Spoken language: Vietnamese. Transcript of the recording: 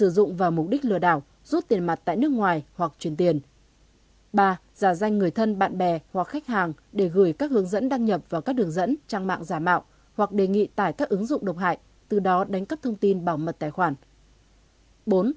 ba giả danh người thân bạn bè hoặc khách hàng để gửi các hướng dẫn đăng nhập vào các đường dẫn trang mạng giả mạo hoặc đề nghị tải các ứng dụng độc hại từ đó đánh cắp thông tin bảo mật tài khoản